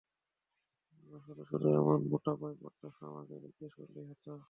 শুধু শুধু এমন মোটা বই পড়তেছো আমাকে জিজ্ঞেস করলেই হতো!